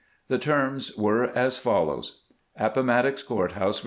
The terms were as foUows : Appomattox Coubt house, Va.